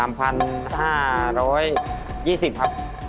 มัน๑๐๐ปีนะ